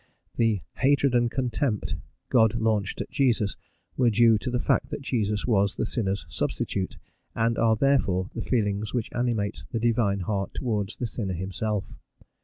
The "hatred and contempt" God launched at Jesus were due to the fact that Jesus was the sinner's substitute, and are therefore the feelings which animate the Divine heart towards the sinner himself.